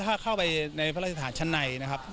ถ้าเข้าไปในพลังศาสตร์ชั้นใน